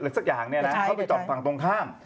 หรือสักอย่างเขาไปจอดฝั่งตรงข้าม